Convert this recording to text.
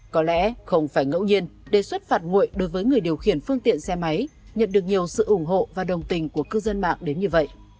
có lẽ không phải ngẫu nhiên đề xuất phạt nguội đối với người điều khiển phương tiện xe máy nhận được nhiều sự ủng hộ và đồng tình của cư dân mạng đến như vậy